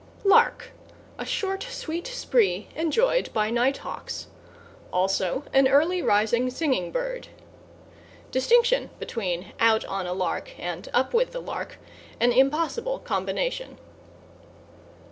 =LARK= A short, sweet spree enjoyed by night hawks. Also, an early rising singing bird. (Dist. bet. "out on a lark," and "up with the lark," an impossible combination).